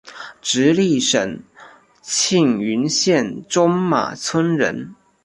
直隶省庆云县中马村人。